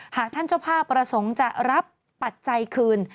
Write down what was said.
หากท่านเจ้าภาพประสงค์จะรับปัจจัยคืน